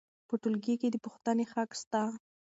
په ټولګي کې د پوښتنې حق سته.